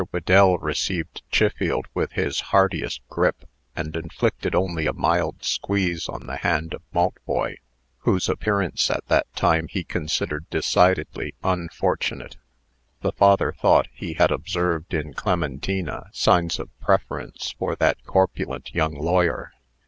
Whedell received Chiffield with his heartiest grip, and inflicted only a mild squeeze on the hand of Maltboy, whose appearance at that time he considered decidedly unfortunate. The father thought he had observed in Clementina signs of preference for that corpulent young lawyer.